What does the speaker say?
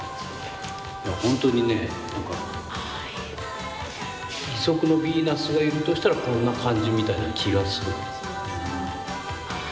ほんとにね義足のビーナスがいるとしたらこんな感じみたいな気がするんです。